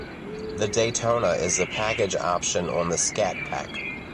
The Daytona is a package option on the Scat Pack.